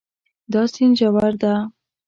دا سیند ژور ده